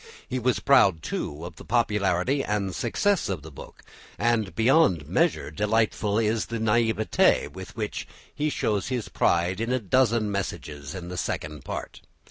He was proud, too, of the popularity and success of the book, and beyond measure delightful is the naivete with which he shows his pride in a dozen passages in the Second Part.